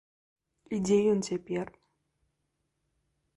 І дзе ён цяпер?